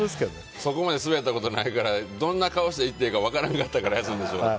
そこまでスベったことないからどんな顔して行っていいか分からなくて休んだんでしょうね。